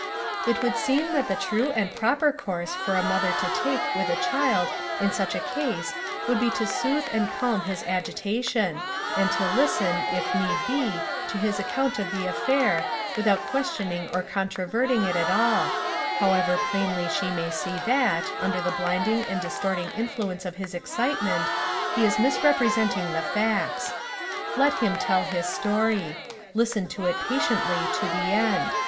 It would seem that the true and proper course for a mother to take with a child in such a case would be to soothe and calm his agitation, and to listen, if need be, to his account of the affair, without questioning or controverting it at all, however plainly she may see that, under the blinding and distorting influence of his excitement, he is misrepresenting the facts. Let him tell his story. Listen to it patiently to the end.